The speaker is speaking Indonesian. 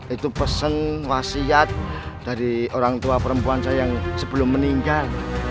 itu pesan wasiat dari orang tua perempuan saya yang sebelum meninggal